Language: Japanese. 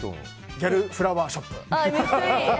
ギャルフラワーショップ。